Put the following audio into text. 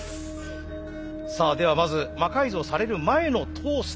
さあではまず魔改造される前のトースター。